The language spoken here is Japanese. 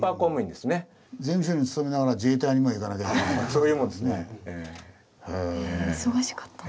そういうもんですね。